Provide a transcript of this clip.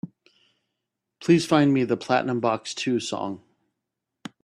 Please find me the Platinum Box II song?